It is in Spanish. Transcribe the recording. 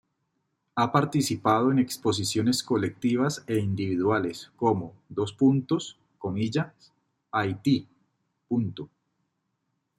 Ha participado en exposiciones colectivas e individuales como: "Haití.